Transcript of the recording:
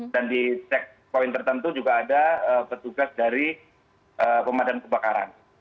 dan di checkpoint tertentu juga ada petugas dari pemadam kebakaran